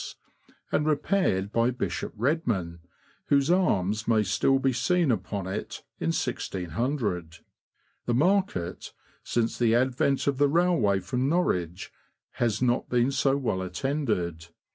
and repaired by Bishop Redman, whose arms may still be seen upon it, in 1600. The market, since the advent of the railway from Norwich, has not been so well attended.